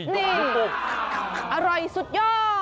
นี่โอ้โหอร่อยสุดยอด